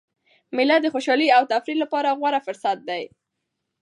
مېله د خوشحالۍ او تفریح له پاره غوره فرصت دئ.